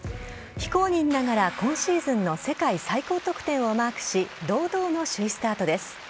非公認ながら今シーズンの世界最高得点をマークし堂々の首位スタートです。